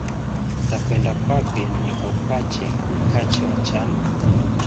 Takwenda kwapi nikaupache nkache wa chanu.